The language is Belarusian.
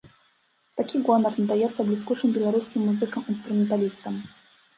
Такі гонар надаецца бліскучым беларускім музыкам-інструменталістам.